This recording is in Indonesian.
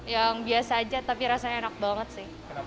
yang biasa aja tapi rasanya enak banget sih